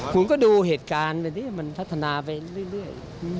คุณก็ดูเหตุการณ์ไปที่มันพัฒนาไปเรื่อย